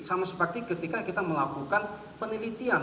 sama seperti ketika kita melakukan penelitian